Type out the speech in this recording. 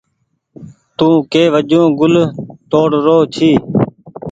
تو ڪي وجون گل توڙ رو ڇي۔